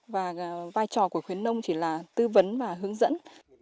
và vai trò của khuyến nông chỉ là tư vấn và hướng dẫn